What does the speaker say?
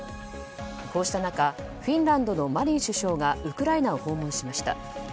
こうした中フィンランドのマリン首相がウクライナを訪問しました。